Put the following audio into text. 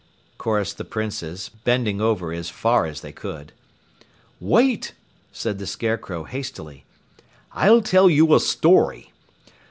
chorused the Princes, bending over as far as they could. "Wait!" said the Scarecrow hastily, "I'll tell you a story.